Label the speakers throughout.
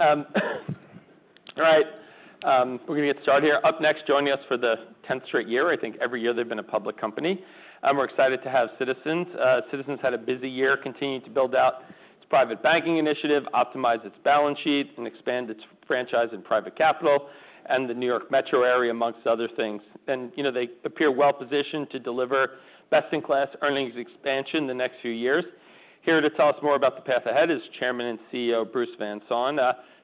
Speaker 1: All right. We're gonna get started here. Up next, joining us for the 10th straight year, I think every year they've been a public company. We're excited to have Citizens. Citizens had a busy year, continuing to build out its private banking initiative, optimize its balance sheet, and expand its franchise and private capital, and the New York Metro area, among other things. You know, they appear well-positioned to deliver best-in-class earnings expansion the next few years. Here to tell us more about the path ahead is Chairman and CEO Bruce Van Saun.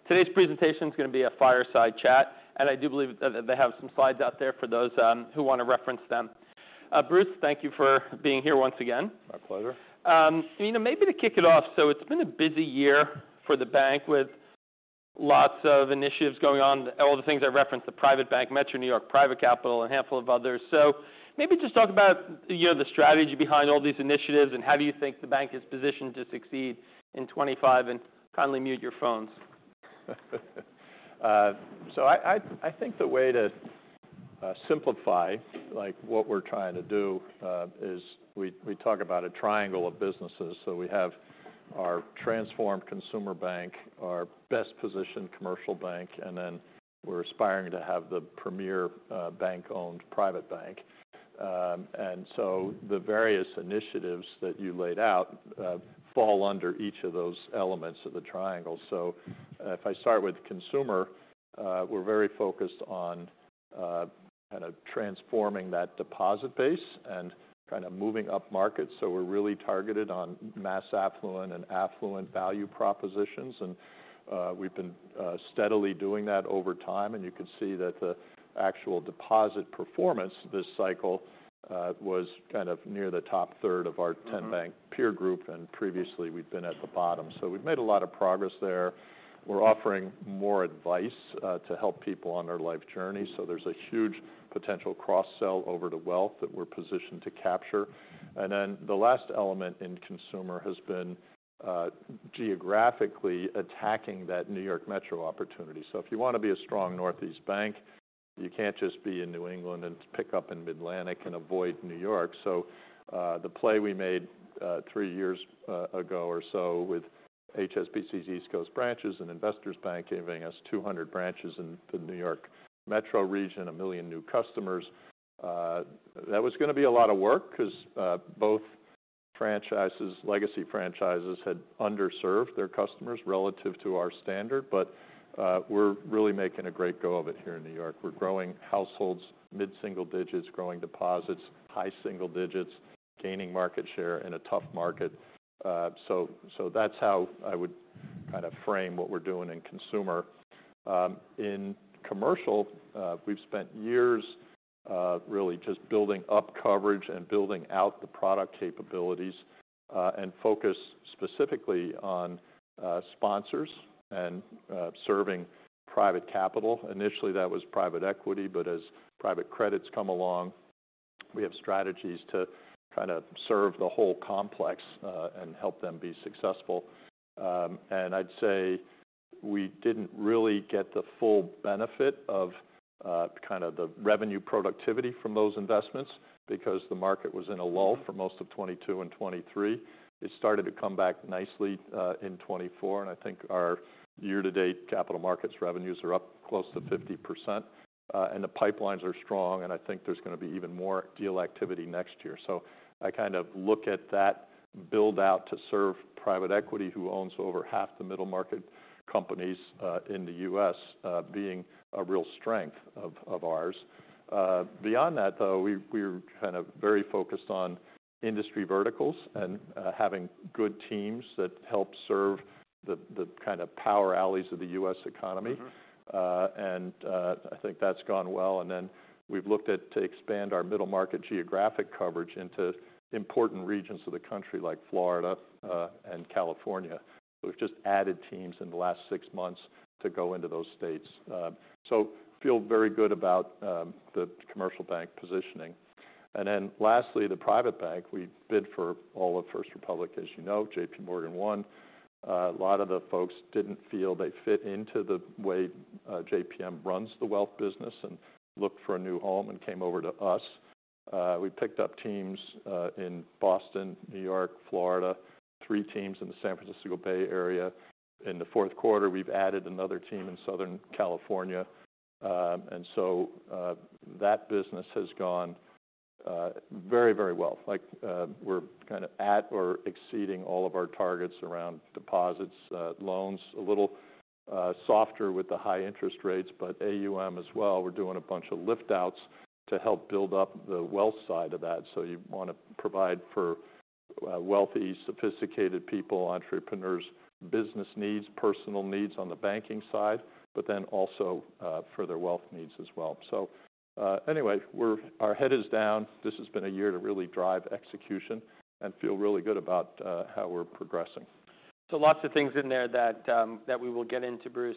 Speaker 1: Today's presentation's gonna be a fireside chat, and I do believe that they have some slides out there for those who wanna reference them. Bruce, thank you for being here once again.
Speaker 2: My pleasure. You know, maybe to kick it off, so it's been a busy year for the bank with lots of initiatives going on, all the things I referenced: the private bank, New York Metro, private capital, and a handful of others. So maybe just talk about, you know, the strategy behind all these initiatives and how do you think the bank is positioned to succeed in 2025? And kindly mute your phones. I think the way to simplify, like, what we're trying to do is we talk about a triangle of businesses. We have our transformed consumer bank, our best-positioned commercial bank, and then we're aspiring to have the premier bank-owned private bank, and so the various initiatives that you laid out fall under each of those elements of the triangle. If I start with consumer, we're very focused on kinda transforming that deposit base and kinda moving up markets. We're really targeted on mass affluent and affluent value propositions, and we've been steadily doing that over time, and you can see that the actual deposit performance this cycle was kind of near the top third of our 10-bank peer group, and previously we've been at the bottom, so we've made a lot of progress there. We're offering more advice to help people on their life journey, so there's a huge potential cross-sell over to wealth that we're positioned to capture, and then the last element in consumer has been geographically attacking that New York Metro opportunity, so if you wanna be a strong Northeast bank, you can't just be in New England and pick up in the middle and avoid New York, so the play we made three years ago or so with HSBC's East Coast branches and Investors Bank giving us 200 branches in the New York Metro region, a million new customers, that was gonna be a lot of work 'cause both franchises, legacy franchises, had underserved their customers relative to our standard, but we're really making a great go of it here in New York. We're growing households mid-single digits, growing deposits high single digits, gaining market share in a tough market. So, that's how I would kinda frame what we're doing in consumer. In commercial, we've spent years really just building up coverage and building out the product capabilities and focus specifically on sponsors and serving private capital. Initially, that was private equity, but as private credit's come along, we have strategies to kinda serve the whole complex and help them be successful. I'd say we didn't really get the full benefit of kinda the revenue productivity from those investments because the market was in a lull for most of 2022 and 2023. It started to come back nicely in 2024, and I think our year-to-date capital markets revenues are up close to 50%. The pipelines are strong, and I think there's gonna be even more deal activity next year. I kind of look at that build-out to serve private equity, who owns over half the middle market companies, in the U.S., being a real strength of ours. Beyond that, though, we were kinda very focused on industry verticals and having good teams that help serve the kinda power alleys of the U.S. economy. Mm-hmm. I think that's gone well. Then we've looked at to expand our middle market geographic coverage into important regions of the country like Florida and California. So we've just added teams in the last six months to go into those states. We feel very good about the commercial bank positioning. Then lastly, the private bank, we bid for all of First Republic. As you know, JPMorgan won. A lot of the folks didn't feel they fit into the way JPM runs the wealth business and looked for a new home and came over to us. We picked up teams in Boston, New York, Florida, three teams in the San Francisco Bay Area. In the fourth quarter, we've added another team in Southern California. So that business has gone very, very well. Like, we're kinda at or exceeding all of our targets around deposits, loans a little softer with the high interest rates, but AUM as well. We're doing a bunch of lift-outs to help build up the wealth side of that. So you wanna provide for wealthy, sophisticated people, entrepreneurs, business needs, personal needs on the banking side, but then also for their wealth needs as well. So, anyway, we're heads down. This has been a year to really drive execution and feel really good about how we're progressing. So, lots of things in there that we will get into, Bruce.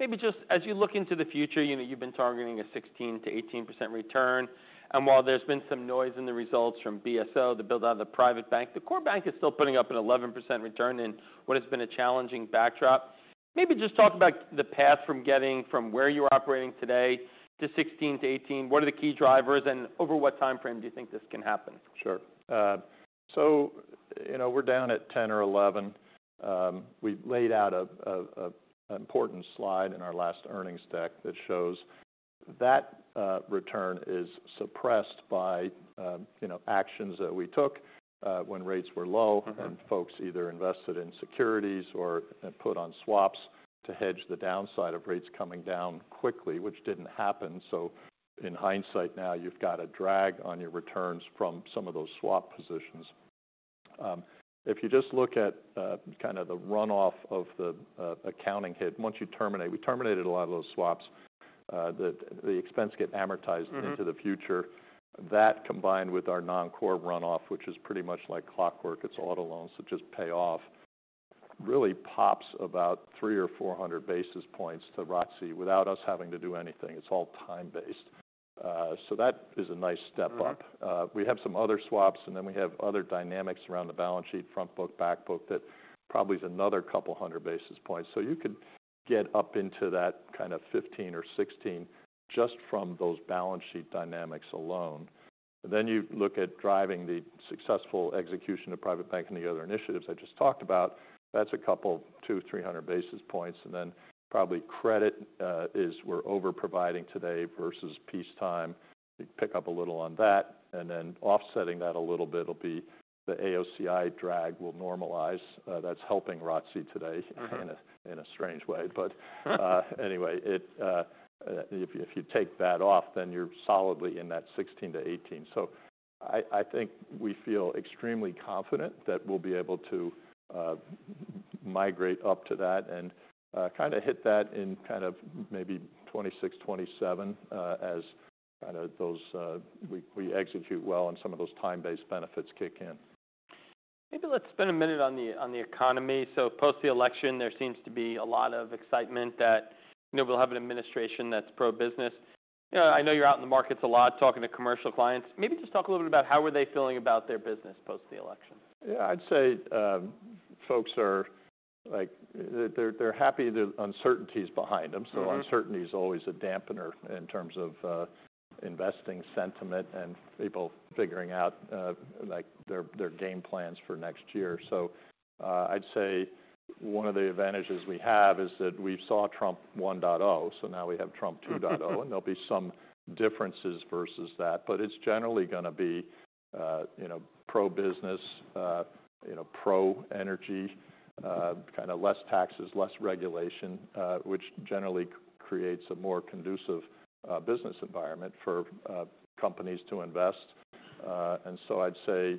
Speaker 2: Maybe just as you look into the future, you know, you've been targeting a 16%-18% return. While there's been some noise in the results from BSO, the build-out of the private bank, the core bank is still putting up an 11% return in what has been a challenging backdrop. Maybe just talk about the path from getting from where you're operating today to 16%-18%. What are the key drivers, and over what timeframe do you think this can happen? Sure. So, you know, we're down at 10 or 11. We laid out an important slide in our last earnings deck that shows that return is suppressed by, you know, actions that we took when rates were low. Mm-hmm. Folks either invested in securities or put on swaps to hedge the downside of rates coming down quickly, which didn't happen. In hindsight now, you've got a drag on your returns from some of those swap positions. If you just look at kinda the runoff of the accounting hit, once you terminate, we terminated a lot of those swaps, that the expense get amortized. Mm-hmm. Into the future. That combined with our non-core runoff, which is pretty much like clockwork, it's auto loans, it just pay off, really pops about three or four hundred basis points to ROTCE without us having to do anything. It's all time-based. So that is a nice step up. Mm-hmm. We have some other swaps, and then we have other dynamics around the balance sheet, front book, back book, that probably is another couple hundred basis points. So you could get up into that kinda 15 or 16 just from those balance sheet dynamics alone. Then you look at driving the successful execution of private bank and the other initiatives I just talked about, that's a couple, two, three hundred basis points. And then probably credit is we're over-providing today versus peacetime. You pick up a little on that, and then offsetting that a little bit'll be the AOCI drag will normalize. That's helping ROTCE today. Mm-hmm. In a strange way. But anyway, if you take that off, then you're solidly in that 16-18. So I think we feel extremely confident that we'll be able to migrate up to that and kinda hit that in kind of maybe 2026, 2027, as kinda those we execute well and some of those time-based benefits kick in. Maybe let's spend a minute on the economy. So post the election, there seems to be a lot of excitement that, you know, we'll have an administration that's pro-business. You know, I know you're out in the markets a lot talking to commercial clients. Maybe just talk a little bit about how were they feeling about their business post the election. Yeah, I'd say, folks are, like, they're happy that uncertainty's behind them. Mm-hmm. So uncertainty's always a dampener in terms of investing sentiment and people figuring out, like, their game plans for next year. So, I'd say one of the advantages we have is that we saw Trump 1.0, so now we have Trump 2.0. Mm-hmm. And there'll be some differences versus that. But it's generally gonna be, you know, pro-business, you know, pro-energy, kinda less taxes, less regulation, which generally creates a more conducive, business environment for, companies to invest. And so I'd say,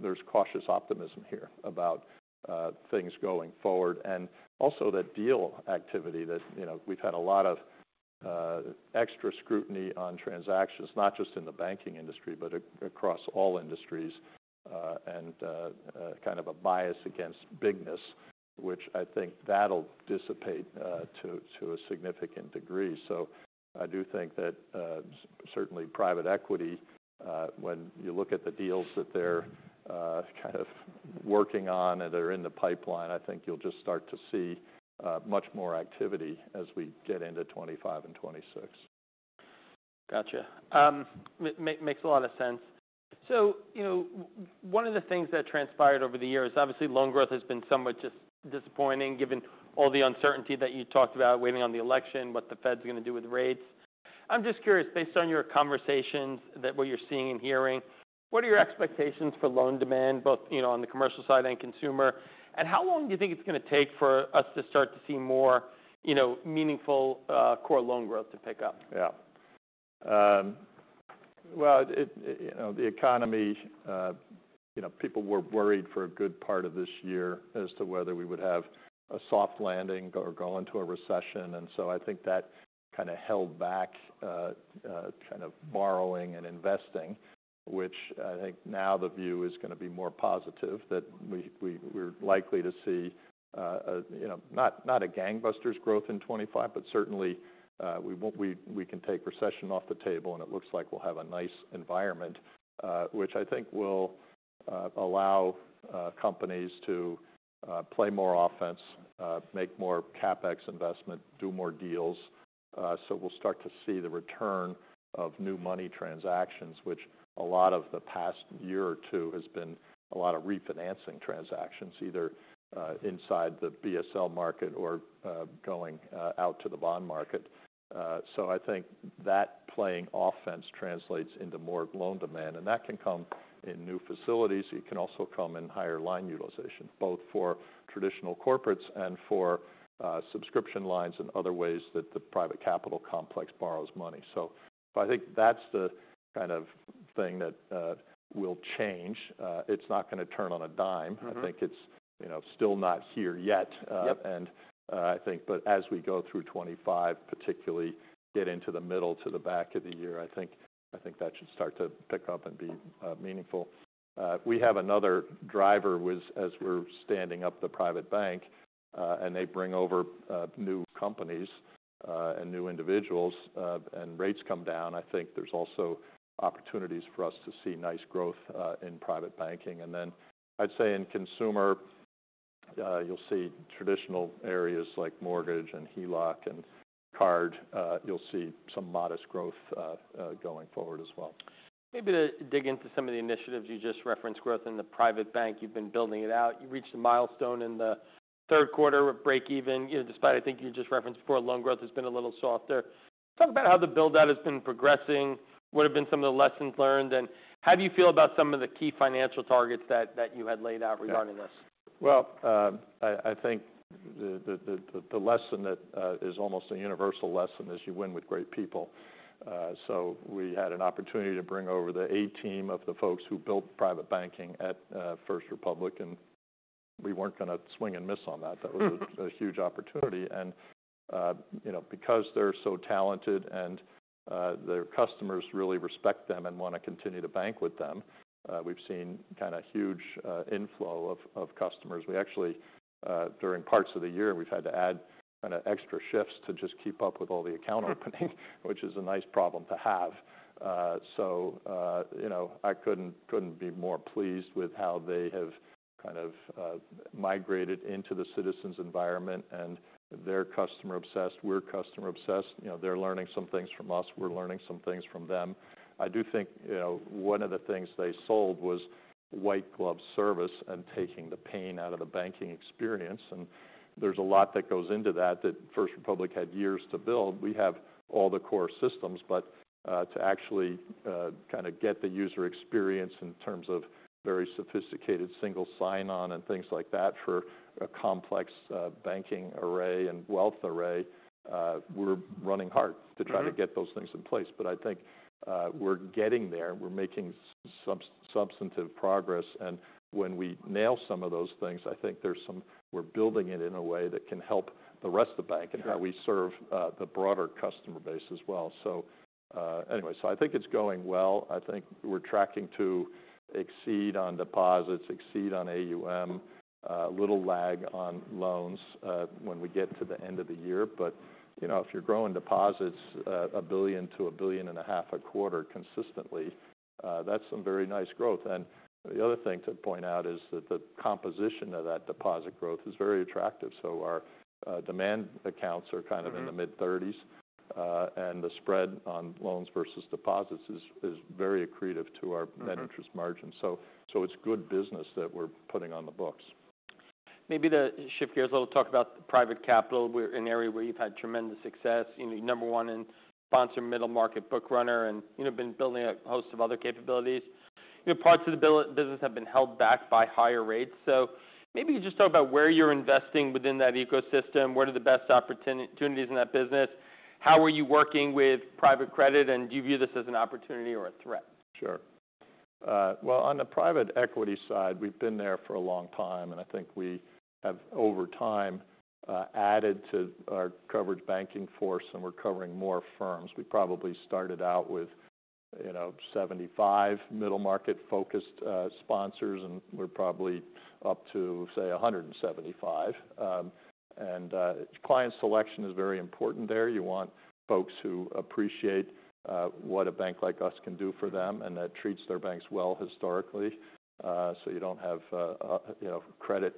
Speaker 2: there's cautious optimism here about, things going forward. And also that deal activity that, you know, we've had a lot of, extra scrutiny on transactions, not just in the banking industry, but across all industries, and, kind of a bias against bigness, which I think that'll dissipate, to a significant degree. So I do think that, certainly private equity, when you look at the deals that they're, kind of working on and they're in the pipeline, I think you'll just start to see, much more activity as we get into 2025 and 2026. Gotcha. Makes a lot of sense. So, you know, one of the things that transpired over the year is obviously loan growth has been somewhat disappointing given all the uncertainty that you talked about waiting on the election, what the Fed's gonna do with rates. I'm just curious, based on your conversations, that what you're seeing and hearing, what are your expectations for loan demand, both, you know, on the commercial side and consumer? And how long do you think it's gonna take for us to start to see more, you know, meaningful, core loan growth to pick up? Yeah. Well, you know, the economy, you know, people were worried for a good part of this year as to whether we would have a soft landing or go into a recession. And so I think that kinda held back, kind of borrowing and investing, which I think now the view is gonna be more positive that we're likely to see, you know, not a gangbusters growth in 2025, but certainly, we won't. We can take recession off the table and it looks like we'll have a nice environment, which I think will allow companies to play more offense, make more CapEx investment, do more deals. So we'll start to see the return of new money transactions, which a lot of the past year or two has been a lot of refinancing transactions, either inside the BSL market or going out to the bond market. So I think that playing offense translates into more loan demand, and that can come in new facilities. It can also come in higher line utilization, both for traditional corporates and for subscription lines and other ways that the private capital complex borrows money. So I think that's the kind of thing that will change. It's not gonna turn on a dime. Mm-hmm. I think it's, you know, still not here yet. Yep. I think, but as we go through 2025, particularly get into the middle to the back of the year, I think, I think that should start to pick up and be meaningful. We have another driver as we're standing up the private bank, and they bring over new companies and new individuals, and rates come down. I think there's also opportunities for us to see nice growth in private banking. Then I'd say in consumer, you'll see traditional areas like mortgage and HELOC and card. You'll see some modest growth going forward as well. Maybe to dig into some of the initiatives you just referenced, growth in the private bank, you've been building it out. You reached a milestone in the third quarter with break-even, you know, despite I think you just referenced before loan growth has been a little softer. Talk about how the build-out has been progressing, what have been some of the lessons learned, and how do you feel about some of the key financial targets that you had laid out regarding this? I think the lesson that is almost a universal lesson is you win with great people. We had an opportunity to bring over the A-Team of the folks who built private banking at First Republic, and we weren't gonna swing and miss on that. That was a huge opportunity. You know, because they're so talented and their customers really respect them and wanna continue to bank with them, we've seen kinda huge inflow of customers. We actually, during parts of the year, we've had to add kinda extra shifts to just keep up with all the account opening, which is a nice problem to have. You know, I couldn't be more pleased with how they have kind of migrated into the Citizens' environment and they're customer-obsessed, we're customer-obsessed. You know, they're learning some things from us, we're learning some things from them. I do think, you know, one of the things they sold was white-glove service and taking the pain out of the banking experience, and there's a lot that goes into that First Republic had years to build. We have all the core systems, but, to actually, kinda get the user experience in terms of very sophisticated single sign-on and things like that for a complex, banking array and wealth array, we're running hard to try to get those things in place. Mm-hmm. But I think, we're getting there. We're making substantive progress. And when we nail some of those things, I think there's some we're building it in a way that can help the rest of the bank. Yeah. And how we serve the broader customer base as well. So anyway, so I think it's going well. I think we're tracking to exceed on deposits, exceed on AUM, a little lag on loans when we get to the end of the year. But you know, if you're growing deposits $1 billion-$1.5 billion a quarter consistently, that's some very nice growth. And the other thing to point out is that the composition of that deposit growth is very attractive. So our demand accounts are kind of in the mid-30s. Mm-hmm. and the spread on loans versus deposits is very accretive to our net interest margin. Mm-hmm. It's good business that we're putting on the books. Maybe to shift gears a little, talk about private capital. This is an area where you've had tremendous success. You know, you're number one in sponsored middle market book runner and, you know, been building a host of other capabilities. You know, parts of the lending business have been held back by higher rates. So maybe you just talk about where you're investing within that ecosystem. What are the best opportunities in that business? How are you working with private credit and do you view this as an opportunity or a threat? Sure. Well, on the private equity side, we've been there for a long time, and I think we have, over time, added to our coverage banking force and we're covering more firms. We probably started out with, you know, 75 middle market-focused sponsors, and we're probably up to, say, 175, and client selection is very important there. You want folks who appreciate what a bank like us can do for them and that treats their banks well historically, so you don't have, you know, credit,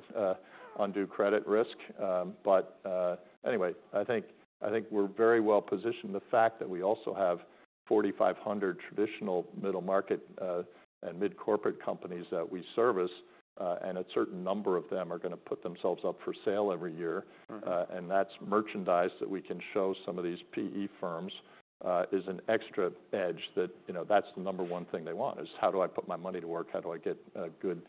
Speaker 2: undue credit risk, but anyway, I think, I think we're very well positioned. The fact that we also have 4,500 traditional middle market and mid-corporate companies that we service, and a certain number of them are gonna put themselves up for sale every year. Mm-hmm. And that's merchandise that we can show some of these PE firms is an extra edge that, you know, that's the number one thing they want is, how do I put my money to work? How do I get good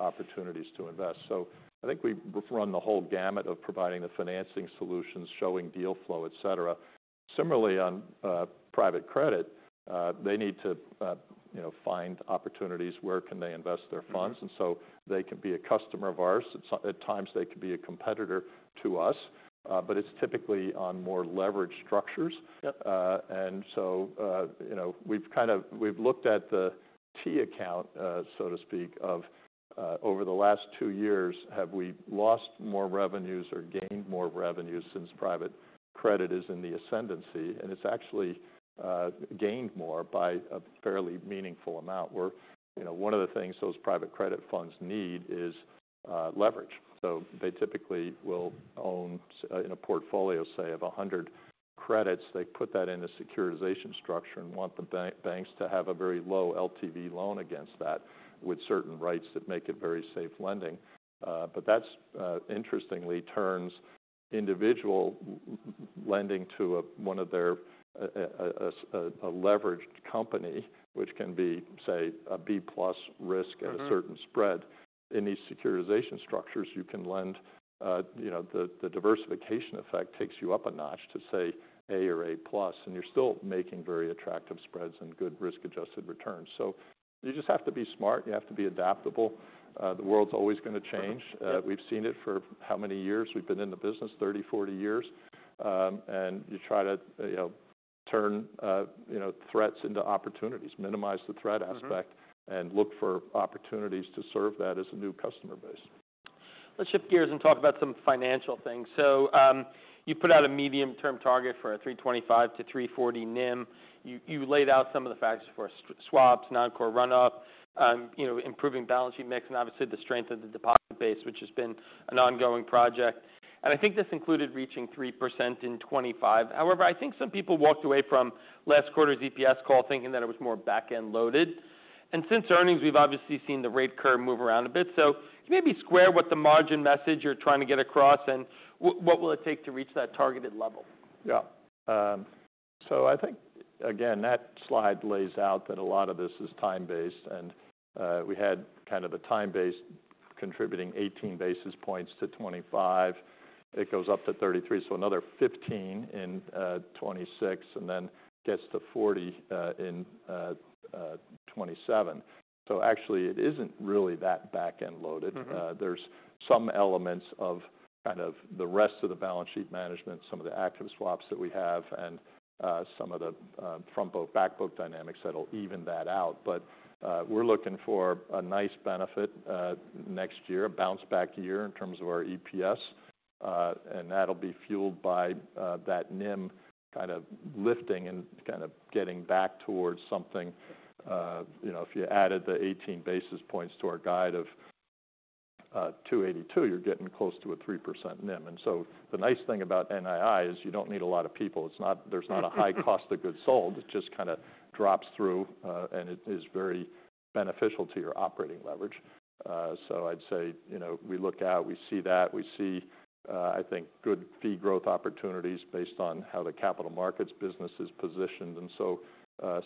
Speaker 2: opportunities to invest? So I think we've run the whole gamut of providing the financing solutions, showing deal flow, etc. Similarly, on private credit, they need to, you know, find opportunities where can they invest their funds. And so they can be a customer of ours. At some times, they could be a competitor to us, but it's typically on more leveraged structures. Yep. And so, you know, we've kinda looked at the T-account, so to speak, of, over the last two years, have we lost more revenues or gained more revenues since private credit is in the ascendancy? And it's actually gained more by a fairly meaningful amount. We're, you know, one of the things those private credit funds need is leverage. So they typically will own assets in a portfolio, say, of 100 credits. They put that in a securitization structure and want the banks to have a very low LTV loan against that with certain rights that make it very safe lending. But that's interestingly turns individual lending to one of their leveraged companies, which can be, say, a B+ risk. Mm-hmm. At a certain spread. In these securitization structures, you can lend, you know, the diversification effect takes you up a notch to, say, A or A+, and you're still making very attractive spreads and good risk-adjusted returns. So you just have to be smart. You have to be adaptable. The world's always gonna change. Mm-hmm. We've seen it for how many years we've been in the business, 30, 40 years, and you try to, you know, turn, you know, threats into opportunities, minimize the threat aspect. Mm-hmm. Look for opportunities to serve that as a new customer base. Let's shift gears and talk about some financial things. So, you put out a medium-term target for a 325-340 NIM. You laid out some of the factors for swaps, non-core runoff, you know, improving balance sheet mix, and obviously the strength of the deposit base, which has been an ongoing project. And I think this included reaching 3% in 2025. However, I think some people walked away from last quarter's EPS call thinking that it was more back-end loaded. And since earnings, we've obviously seen the rate curve move around a bit. So, can you square what the margin message you're trying to get across and what will it take to reach that targeted level? Yeah. So I think, again, that slide lays out that a lot of this is time-based. And we had kind of a time-based contributing 18 basis points to 25. It goes up to 33, so another 15 in 2026, and then gets to 40 in 2027. So actually, it isn't really that back-end loaded. Mm-hmm. There's some elements of kind of the rest of the balance sheet management, some of the active swaps that we have, and some of the frontbook-backbook dynamics that'll even that out. But we're looking for a nice benefit next year, a bounce-back year in terms of our EPS, and that'll be fueled by that NIM kinda lifting and kinda getting back towards something. You know, if you added the 18 basis points to our guide of 282, you're getting close to a 3% NIM. And so the nice thing about NII is you don't need a lot of people. It's not. There's not a high cost of goods sold. It just kinda drops through, and it is very beneficial to your operating leverage. So I'd say, you know, we look out, we see that, I think, good fee growth opportunities based on how the capital markets business is positioned. And so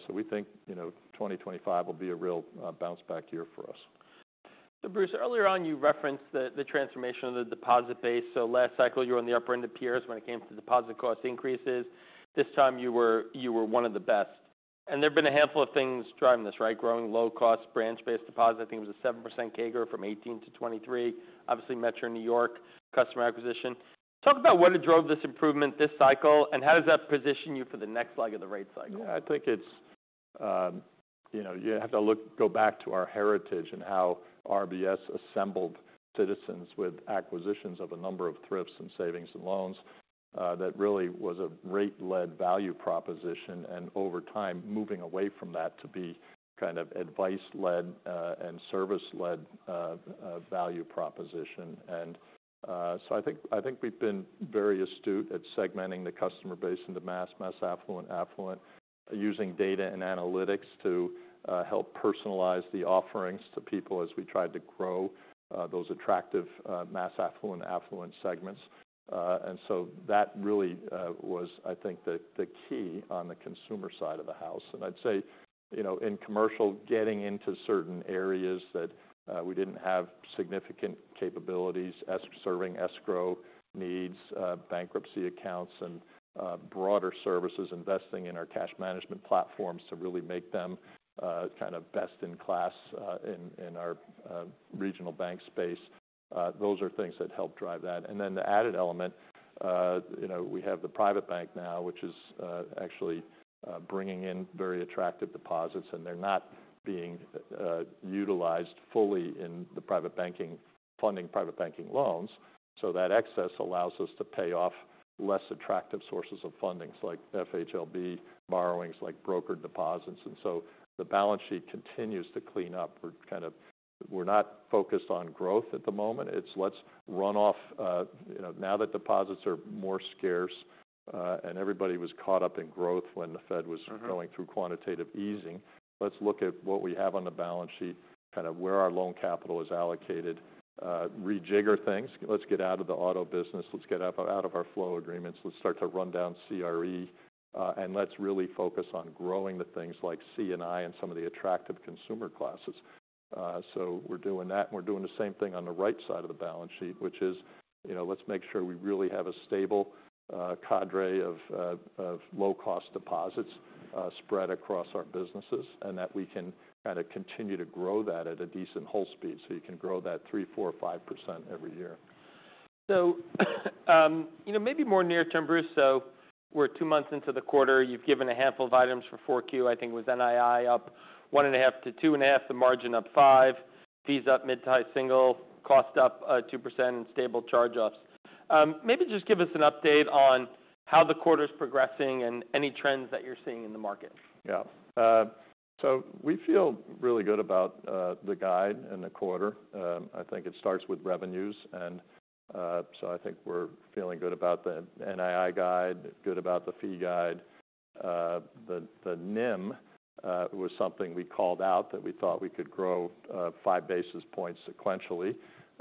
Speaker 2: we think, you know, 2025 will be a real bounce-back year for us. So, Bruce, earlier on, you referenced the transformation of the deposit base. So last cycle, you were on the upper end of peers when it came to deposit cost increases. This time, you were one of the best. And there've been a handful of things driving this, right? Growing low-cost branch-based deposits. I think it was a 7% CAGR from 2018-2023. Obviously, Metro New York, customer acquisition. Talk about what had drove this improvement this cycle and how does that position you for the next leg of the rate cycle? Yeah. I think it's, you know, you have to look back to our heritage and how RBS assembled Citizens with acquisitions of a number of thrifts and savings and loans, that really was a rate-led value proposition and over time moving away from that to be kind of advice-led, and service-led, value proposition. So I think we've been very astute at segmenting the customer base and the mass affluent, affluent, using data and analytics to help personalize the offerings to people as we tried to grow those attractive mass affluent, affluent segments. So that really was, I think, the key on the consumer side of the house. And I'd say, you know, in commercial, getting into certain areas that we didn't have significant capabilities, especially serving escrow needs, bankruptcy accounts, and broader services, investing in our cash management platforms to really make them kind of best in class in our regional bank space. Those are things that help drive that. And then the added element, you know, we have the private bank now, which is actually bringing in very attractive deposits, and they're not being utilized fully in the private banking, funding private banking loans. So that excess allows us to pay off less attractive sources of funding like FHLB borrowings, like brokered deposits. And so the balance sheet continues to clean up. We're kind of not focused on growth at the moment. It's less run off, you know, now that deposits are more scarce, and everybody was caught up in growth when the Fed was. Mm-hmm. Going through quantitative easing. Let's look at what we have on the balance sheet, kinda where our loan capital is allocated, rejigger things. Let's get out of the auto business. Let's get out of our flow agreements. Let's start to run down CRE, and let's really focus on growing the things like C&I and some of the attractive consumer classes. So we're doing that, and we're doing the same thing on the right side of the balance sheet, which is, you know, let's make sure we really have a stable cadre of low-cost deposits, spread across our businesses and that we can kinda continue to grow that at a decent low speed so you can grow that 3%, 4%, 5% every year. So, you know, maybe more near term, Bruce. So we're two months into the quarter. You've given a handful of items for 4Q. I think it was NII up one and a half to two and a half, the margin up five, fees up mid-teens, single-digit costs up 2%, and stable charge-offs. Maybe just give us an update on how the quarter's progressing and any trends that you're seeing in the market. Yeah, so we feel really good about the guide and the quarter. I think it starts with revenues, and so I think we're feeling good about the NII guide, good about the fee guide. The NIM was something we called out that we thought we could grow five basis points sequentially.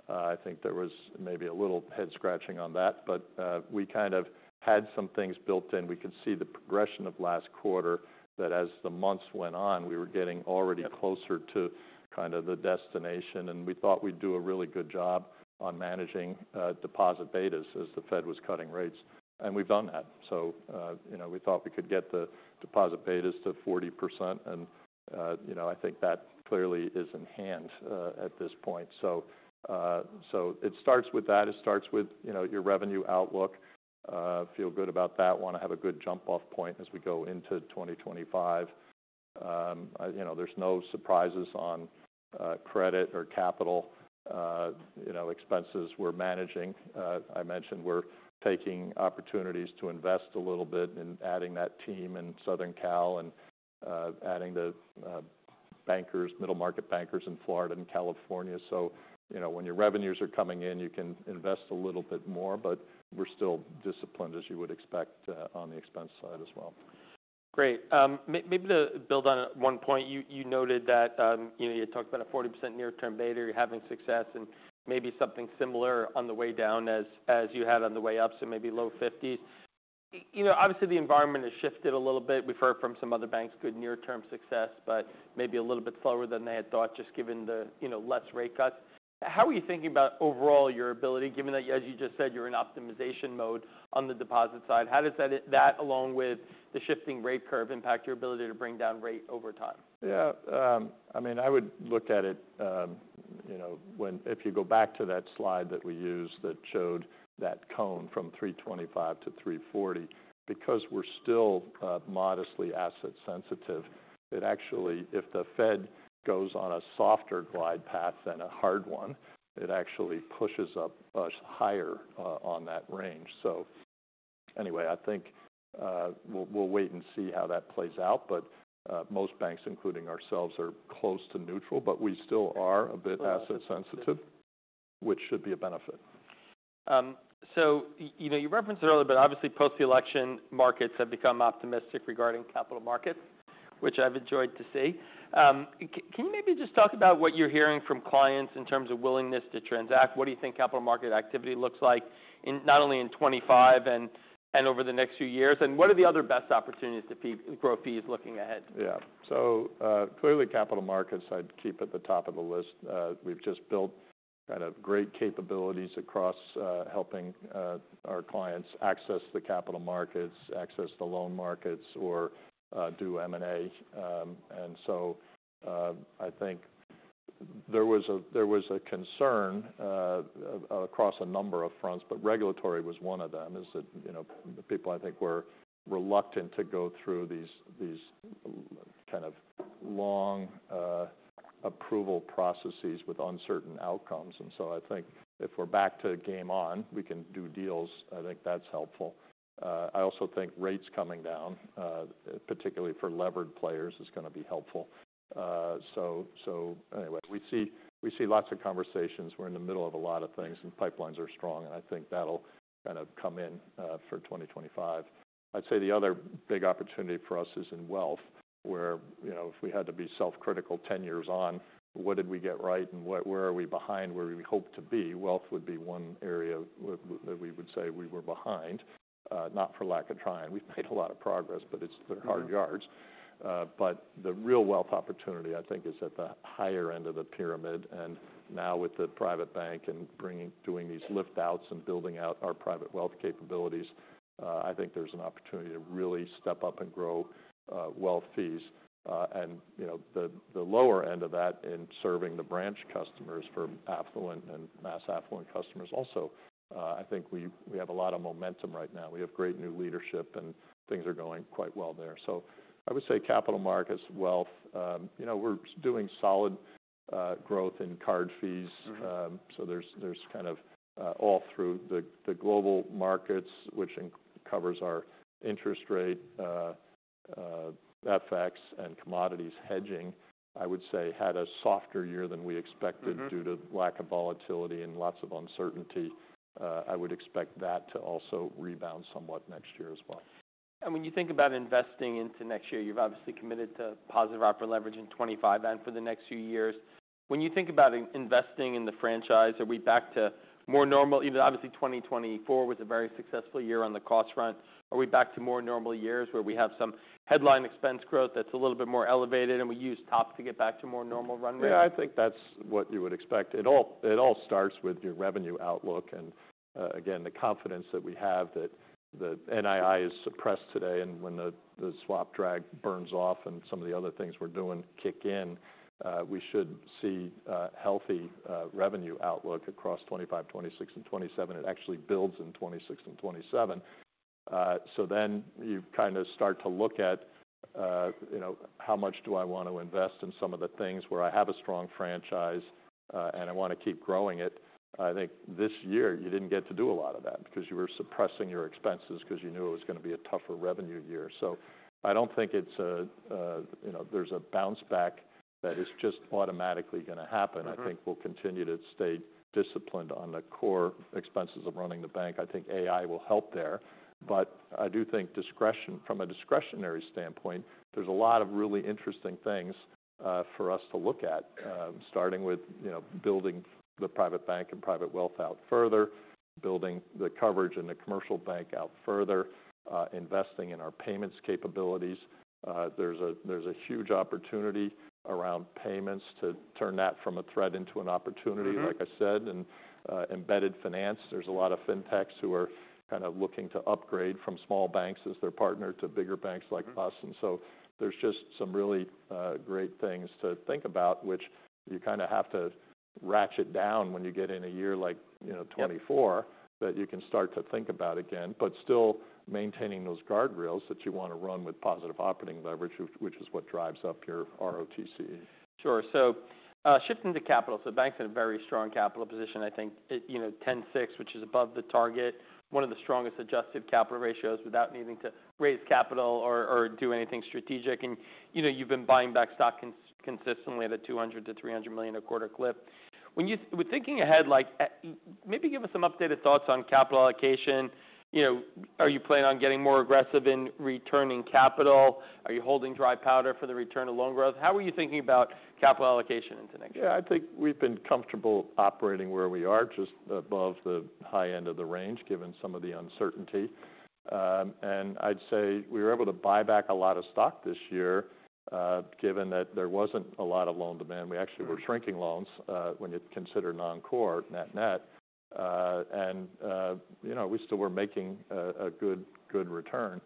Speaker 2: I think there was maybe a little head-scratching on that, but we kind of had some things built in. We could see the progression of last quarter that as the months went on, we were getting already closer to kinda the destination, and we thought we'd do a really good job on managing deposit betas as the Fed was cutting rates, and we've done that, so you know, we thought we could get the deposit betas to 40%, and you know, I think that clearly is in hand at this point, so it starts with that. It starts with, you know, your revenue outlook. Feel good about that. Wanna have a good jump-off point as we go into 2025. You know, there's no surprises on credit or capital. You know, expenses we're managing. I mentioned we're taking opportunities to invest a little bit in adding that team in Southern Cal and adding the bankers, middle market bankers, in Florida and California. So, you know, when your revenues are coming in, you can invest a little bit more, but we're still disciplined, as you would expect, on the expense side as well. Great. Maybe to build on one point, you noted that, you know, you talked about a 40% near-term beta. You're having success and maybe something similar on the way down as you had on the way up, so maybe low 50s. You know, obviously, the environment has shifted a little bit. We've heard from some other banks good near-term success, but maybe a little bit slower than they had thought just given the, you know, less rate cuts. How are you thinking about overall your ability, given that, as you just said, you're in optimization mode on the deposit side? How does that along with the shifting rate curve impact your ability to bring down rate over time? Yeah. I mean, I would look at it, you know, when if you go back to that slide that we used that showed that cone from 325 to 340, because we're still modestly asset-sensitive. It actually, if the Fed goes on a softer glide path than a hard one, it actually pushes up us higher on that range. So anyway, I think we'll wait and see how that plays out. Most banks, including ourselves, are close to neutral, but we still are a bit asset-sensitive, which should be a benefit. You know, you referenced it earlier, but obviously, post-election markets have become optimistic regarding capital markets, which I've enjoyed to see. Can you maybe just talk about what you're hearing from clients in terms of willingness to transact? What do you think capital market activity looks like not only in 2025 and over the next few years? What are the other best opportunities to grow fees looking ahead? Yeah. So, clearly, capital markets, I'd keep at the top of the list. We've just built kind of great capabilities across helping our clients access the capital markets, access the loan markets, or do M&A. And so, I think there was a concern across a number of fronts, but regulatory was one of them, is that, you know, people I think were reluctant to go through these kind of long approval processes with uncertain outcomes. And so I think if we're back to game on, we can do deals. I think that's helpful. I also think rates coming down, particularly for levered players, is gonna be helpful. So anyway, we see lots of conversations. We're in the middle of a lot of things, and pipelines are strong. And I think that'll kind of come in for 2025. I'd say the other big opportunity for us is in wealth, where, you know, if we had to be self-critical 10 years on, what did we get right and where are we behind where we hope to be? Wealth would be one area where we would say we were behind, not for lack of trying. We've made a lot of progress, but they're hard yards. But the real wealth opportunity, I think, is at the higher end of the pyramid. And now with the private bank and by doing these lift-outs and building out our private wealth capabilities, I think there's an opportunity to really step up and grow wealth fees. And, you know, the lower end of that in serving the branch customers for affluent and mass affluent customers also, I think we have a lot of momentum right now. We have great new leadership, and things are going quite well there. So I would say capital markets, wealth, you know, we're doing solid, growth in card fees. Mm-hmm. So there's kind of all through the Global Markets, which encompasses our interest rate, FX and commodities hedging. I would say had a softer year than we expected. Mm-hmm. Due to lack of volatility and lots of uncertainty. I would expect that to also rebound somewhat next year as well. When you think about investing into next year, you've obviously committed to positive operating leverage in 2025 and for the next few years. When you think about investing in the franchise, are we back to more normal? You know, obviously, 2024 was a very successful year on the cost front. Are we back to more normal years where we have some headline expense growth that's a little bit more elevated and we use TOPs to get back to more normal run rate? Yeah. I think that's what you would expect. It all starts with your revenue outlook. And, again, the confidence that we have that the NII is suppressed today and when the swap drag burns off and some of the other things we're doing kick in, we should see healthy revenue outlook across 2025, 2026, and 2027. It actually builds in 2026 and 2027. So then you kinda start to look at, you know, how much do I wanna invest in some of the things where I have a strong franchise, and I wanna keep growing it. I think this year, you didn't get to do a lot of that because you were suppressing your expenses 'cause you knew it was gonna be a tougher revenue year. So I don't think it's a, you know, there's a bounce-back that is just automatically gonna happen. Mm-hmm. I think we'll continue to stay disciplined on the core expenses of running the bank. I think AI will help there. But I do think discretion from a discretionary standpoint, there's a lot of really interesting things for us to look at, starting with, you know, building the private bank and private wealth out further, building the coverage and the commercial bank out further, investing in our payments capabilities. There's a huge opportunity around payments to turn that from a threat into an opportunity. Mm-hmm. Like I said, and embedded finance. There's a lot of fintechs who are kinda looking to upgrade from small banks as their partner to bigger banks like us. And so there's just some really great things to think about, which you kinda have to ratchet down when you get in a year like, you know, 2024. Yeah. That you can start to think about again, but still maintaining those guardrails that you wanna run with positive operating leverage, which is what drives up your ROTCE. Sure. So, shifting to capital. So banks in a very strong capital position, I think, you know, 10.6, which is above the target, one of the strongest adjusted capital ratios without needing to raise capital or do anything strategic. And, you know, you've been buying back stock consistently at a $200 million-$300 million a quarter clip. When thinking ahead, like, maybe give us some updated thoughts on capital allocation. You know, are you planning on getting more aggressive in returning capital? Are you holding dry powder for the return of loan growth? How are you thinking about capital allocation into next year? Yeah. I think we've been comfortable operating where we are, just above the high end of the range given some of the uncertainty, and I'd say we were able to buy back a lot of stock this year, given that there wasn't a lot of loan demand. We actually were shrinking loans when you consider non-core net-net, and you know, we still were making a good, good return,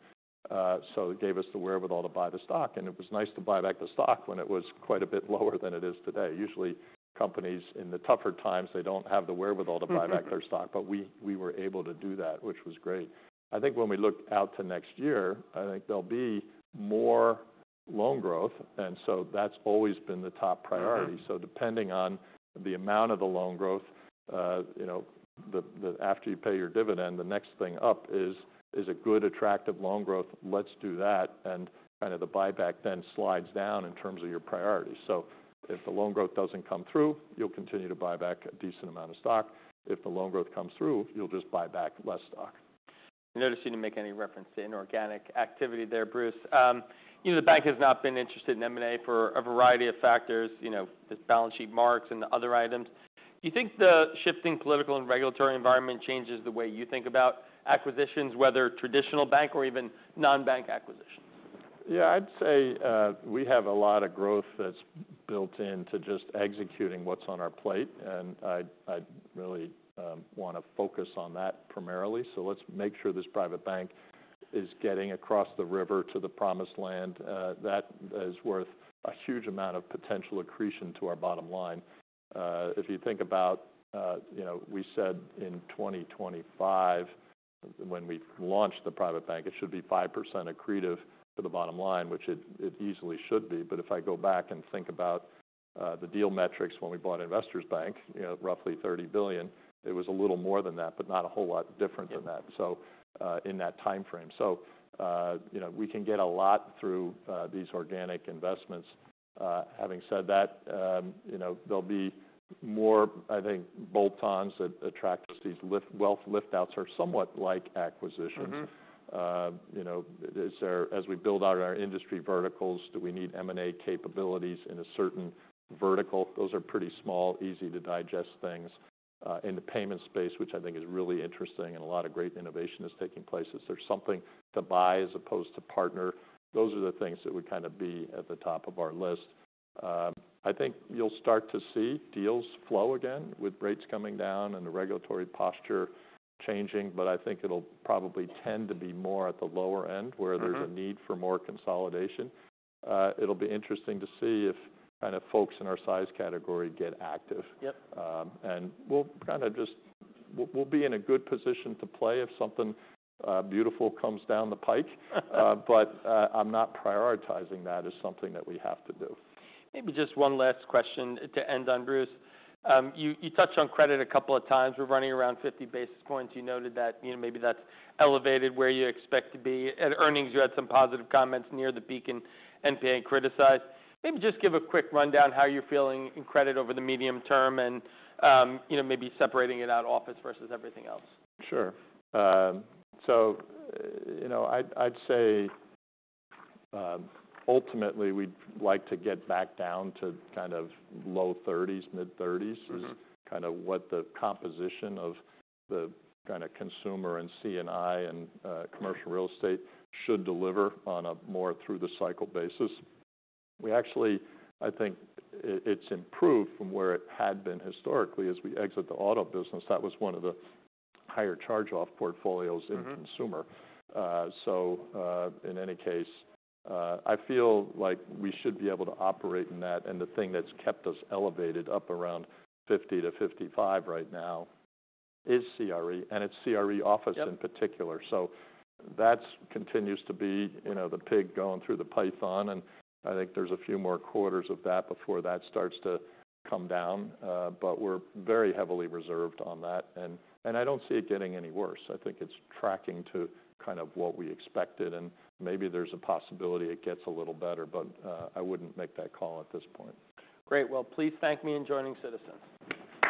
Speaker 2: so it gave us the wherewithal to buy the stock. It was nice to buy back the stock when it was quite a bit lower than it is today. Usually, companies in the tougher times, they don't have the wherewithal to buy back. Mm-hmm. Their stock. But we were able to do that, which was great. I think when we look out to next year, I think there'll be more loan growth. And so that's always been the top priority. Mm-hmm. So depending on the amount of the loan growth, you know, then after you pay your dividend, the next thing up is a good, attractive loan growth. Let's do that. And kinda the buyback then slides down in terms of your priority. So if the loan growth doesn't come through, you'll continue to buy back a decent amount of stock. If the loan growth comes through, you'll just buy back less stock. Noticed you didn't make any reference to inorganic activity there, Bruce. You know, the bank has not been interested in M&A for a variety of factors, you know, the balance sheet marks and the other items. Do you think the shifting political and regulatory environment changes the way you think about acquisitions, whether traditional bank or even non-bank acquisitions? Yeah. I'd say, we have a lot of growth that's built into just executing what's on our plate. And I, I really, wanna focus on that primarily. So let's make sure this private bank is getting across the river to the promised land. That is worth a huge amount of potential accretion to our bottom line. If you think about, you know, we said in 2025, when we launched the private bank, it should be 5% accretive to the bottom line, which it, it easily should be. But if I go back and think about, the deal metrics when we bought Investors Bank, you know, roughly $30 billion, it was a little more than that, but not a whole lot different than that. Mm-hmm. So, in that timeframe. So, you know, we can get a lot through these organic investments. Having said that, you know, there'll be more, I think, bolt-ons that attract us. These wealth lift-outs are somewhat like acquisitions. Mm-hmm. You know, is there as we build out our industry verticals, do we need M&A capabilities in a certain vertical? Those are pretty small, easy-to-digest things. In the payment space, which I think is really interesting and a lot of great innovation is taking place, there's something to buy as opposed to partner. Those are the things that would kinda be at the top of our list. I think you'll start to see deals flow again with rates coming down and the regulatory posture changing. But I think it'll probably tend to be more at the lower end where there's a need for more consolidation. It'll be interesting to see if kinda folks in our size category get active. Yep. and we'll kinda just be in a good position to play if something beautiful comes down the pike. But I'm not prioritizing that as something that we have to do. Maybe just one last question to end on, Bruce. You touched on credit a couple of times. We're running around 50 basis points. You noted that, you know, maybe that's elevated where you expect to be. At earnings, you had some positive comments near the peak and NPA criticized. Maybe just give a quick rundown how you're feeling in credit over the medium term and, you know, maybe separating it out office versus everything else. Sure, so, you know, I'd say, ultimately, we'd like to get back down to kind of low 30s, mid-30s. Mm-hmm. It's kinda what the composition of the kinda consumer and C&I and commercial real estate should deliver on a more through-the-cycle basis. We actually, I think, it's improved from where it had been historically as we exit the auto business. That was one of the higher charge-off portfolios. Mm-hmm. In consumer, so in any case, I feel like we should be able to operate in that, and the thing that's kept us elevated up around 50-55 right now is CRE, and it's CRE office. Yep. In particular. So that continues to be, you know, the pig going through the python. And I think there's a few more quarters of that before that starts to come down. But we're very heavily reserved on that. And I don't see it getting any worse. I think it's tracking to kind of what we expected. And maybe there's a possibility it gets a little better. But I wouldn't make that call at this point. Great. Please thank me for joining Citizens.